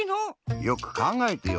よくかんがえてよ。